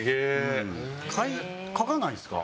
書かないですか？